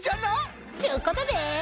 ちゅうことで！